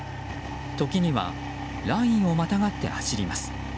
時にはラインをまたがって走ります。